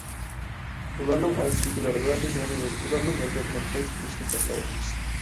ئۇلارنىڭ ئائىلىسىدىكىلەر ۋە بىز ھەممىمىز، ئۇلارنىڭ غەلىبە بىلەن قايتىپ كېلىشىنى ساقلاۋاتىمىز.